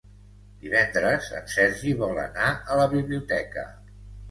Divendres en Sergi vol anar a la biblioteca.